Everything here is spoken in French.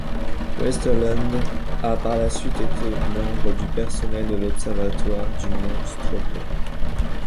Westerlund a par la suite été membre du personnel de l'observatoire du Mont Stromlo.